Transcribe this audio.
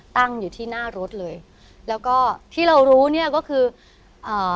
ตั้งอยู่ที่หน้ารถเลยแล้วก็ที่เรารู้เนี้ยก็คืออ่า